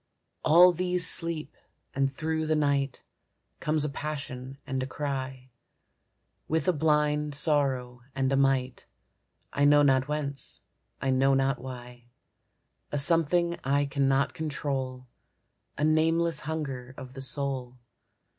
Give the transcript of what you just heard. All these sleep, and through the night, Comes a passion and a cry, With a blind sorrow and a might, I know not whence, I know not why, A something I cannot control, A nameless hunger of the soul.